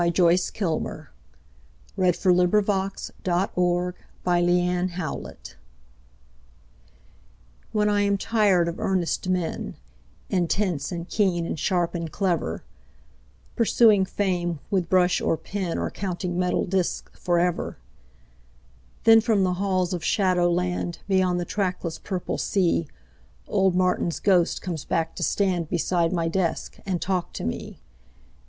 The Little Book of Modern Verse. 1917. Joyce Kilmer Martin WHEN I am tired of earnest men, Intense and keen and sharp and clever, Pursuing fame with brush or penOr counting metal disks forever, Then from the halls of shadowlandBeyond the trackless purple seaOld Martin's ghost comes back to standBeside my desk and talk to me.